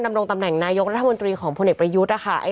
ดำรงตำแหน่งนายกรัฐมนตรีของโพนิกไปยุทธ์นี้เลา้ค่ะ